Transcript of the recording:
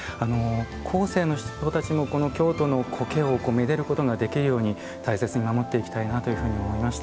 後世の人たちもこの京都の苔をめでることができるように大切に守っていきたいなというふうに思いました。